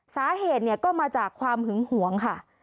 สาเหตุเนี่ยก็มาจากความหึงหวงค่ะ